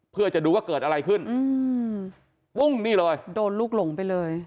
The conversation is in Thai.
เพื่อจะดูว่าเกิดอะไรขึ้นอืมปุ้งนี่เลยโดนลูกหลงไปเลย